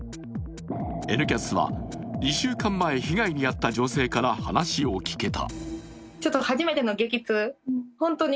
「Ｎキャス」は２週間前被害に遭った女性から話を聞けた。